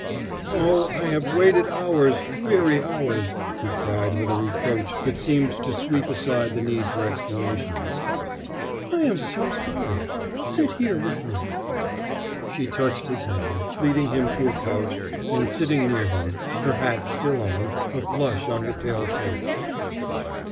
"Oh, I have waited hours weary hours!" he cried with a reproach that seemed to sweep aside the need for explanations. "I am so sorry! sit here with me." She touched his hand, leading him to a couch and sitting near him, her hat still on, a flush on her pale face.